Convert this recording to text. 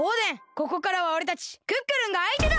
ここからはおれたちクックルンがあいてだ！